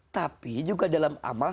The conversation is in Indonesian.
tapi juga dalam amal